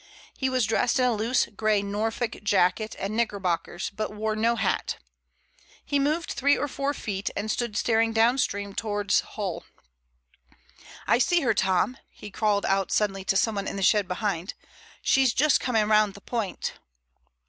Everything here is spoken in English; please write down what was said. He was dressed in a loose gray Norfolk jacket and knickerbockers, but wore no hat. He moved forward three or four feet and stood staring downstream towards Hull. "I see her, Tom," he called out suddenly to someone in the shed behind. "She's just coming round the point."